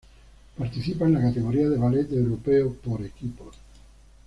Participa en la categoría de Ballet Europeo por equipos.